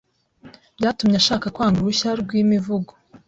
byatumye ashaka kwanga uruhushya rw’imivugo.